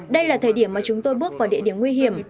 đây là thời điểm mà chúng tôi bước vào địa điểm nguy hiểm